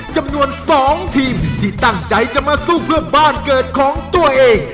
จำนวน๒ทีมที่ตั้งใจจะมาสู้เพื่อบ้านเกิดของตัวเอง